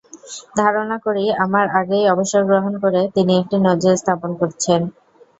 ধারণা করি, আমার আগেই অবসর গ্রহণ করে তিনি একটি নজির স্থাপন করছেন।